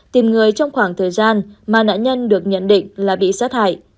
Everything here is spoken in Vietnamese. tìm người trong khoảng thời gian mà nạn nhân được nhận định